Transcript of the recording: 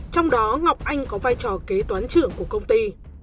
trong đó ngọc anh có vai trò kế toán trưởng của công ty